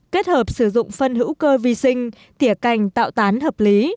kết hợp sử dụng phân hữu cơ vi sinh tỉa cành tạo tán hợp lý